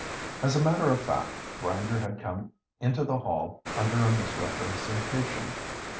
As a matter of fact, Grinder had come into the Hall under a misrepresentation.